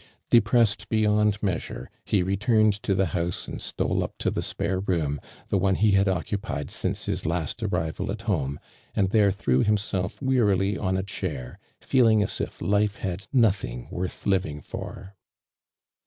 Depressed beyopd measure, he j'etumed to the house and stole up to the spare room, thp OJiie he had occupied since hia last arri val at home, and there threw hiniaelf wet^rily on a chair, feeling as if life had nothing worth living for.